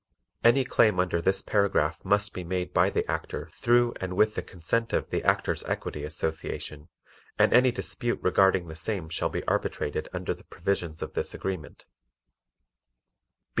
Any claim under this paragraph must be made by the Actor through and with the consent of the Actors' Equity Association and any dispute regarding the same shall be arbitrated under the provisions of this agreement.